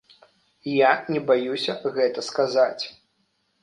Я не баюся гэта сказаць.